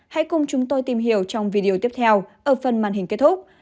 hãy cùng chúng tôi tìm hiểu trong video tiếp theo ở phần màn hình kết thúc